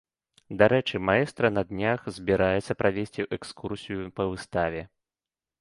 Дарэчы, маэстра на днях збіраецца правесці экскурсію па выставе.